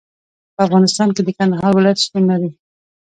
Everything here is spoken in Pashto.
په افغانستان کې د کندهار ولایت شتون لري.